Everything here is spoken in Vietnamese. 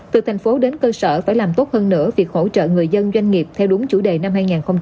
từ thành phố đến cơ sở phải làm tốt hơn nữa việc hỗ trợ người dân doanh nghiệp theo đúng chủ đề năm hai nghìn hai mươi